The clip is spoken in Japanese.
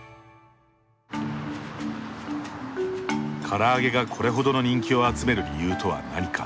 から揚げがこれほどの人気を集める理由とは何か。